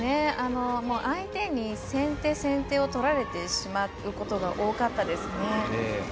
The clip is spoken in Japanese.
相手に先手先手をとられてしまうことが多かったですね。